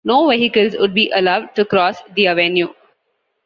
No vehicles would be allowed to cross the avenue.